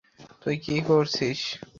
তুই কি করছিস?